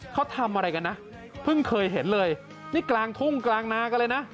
เขาทำอะไรกันนะเพิ่งเคยเห็นเลยนี่กลางทุ่งกลางนากันเลยนะ